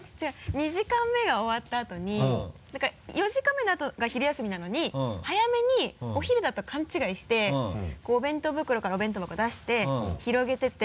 ２時間目が終わったあとに４時間目のあとが昼休みなのに早めにお昼だと勘違いしてお弁当袋からお弁当箱出して広げてて。